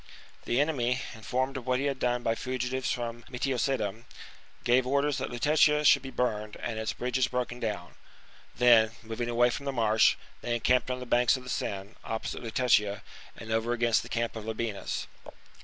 The enemy, informed of what he had done by fugitives from Metiosedum, gave orders that Lutetia should be burned and its bridges broken down : then, moving away from the marsh, they encamped on the banks of the Seine, opposite Lutetia and over against the camp of Labienus.